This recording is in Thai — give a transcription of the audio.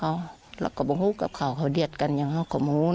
และก็ดีกว่าของเขาก็ดีดกันน่ะ